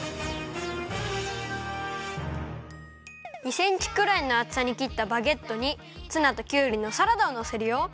２センチくらいのあつさにきったバゲットにツナときゅうりのサラダをのせるよ。